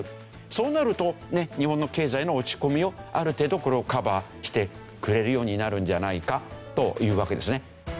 そうなると日本の経済の落ち込みをある程度カバーしてくれるようになるんじゃないかというわけですね。